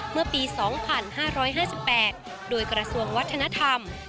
เมื่อปี๒๕๕๘โดยกระทรวงวัฒนธรรม